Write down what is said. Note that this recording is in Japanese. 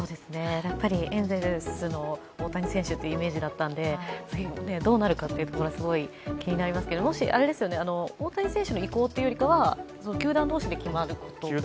エンゼルスの大谷選手というイメージだったので、次にどうなるかというところがすごい気になりますけれども大谷選手の意向というよりは球団同士で決まることですか？